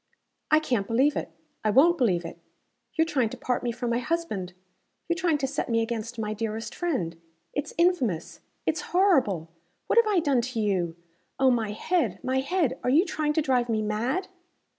"I CAN'T believe it! I won't believe it! You're trying to part me from my husband you're trying to set me against my dearest friend. It's infamous. It's horrible. What have I done to you? Oh, my head! my head! Are you trying to drive me mad?"